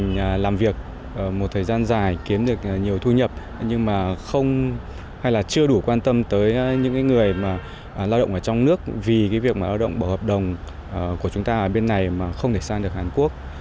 mình làm việc một thời gian dài kiếm được nhiều thu nhập nhưng mà không hay là chưa đủ quan tâm tới những người mà lao động ở trong nước vì cái việc mà lao động bỏ hợp đồng của chúng ta ở bên này mà không thể sang được hàn quốc